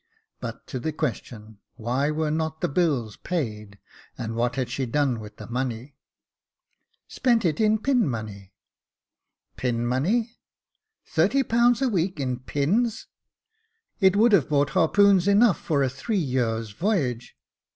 But to the question : why were not the bills paid, and what had she done with the money ? Spent it in pin money. Pin money ! thirty pounds a week in pins I it would have bought harpoons enough for a three years' voyage.